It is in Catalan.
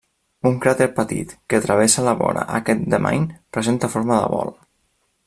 Un cràter petit que travessa la vora aquest de Main, presenta forma de bol.